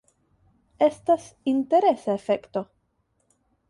Estas interesa efekto.